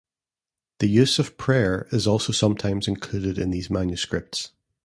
The use of prayer is also sometimes included in these manuscripts.